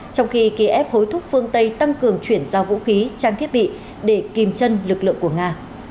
trong khi kiev hối thúc phương tây tăng cường chuyển giao vũ khí trang thiết bị để kìm chân lực lượng của nga